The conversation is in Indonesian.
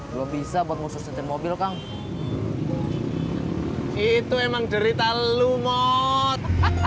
belum bisa buat ngususnya tim mobil kang itu emang derita lumot